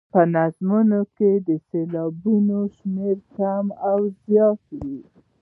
که په نظمونو کې د سېلابونو شمېر کم او زیات وي.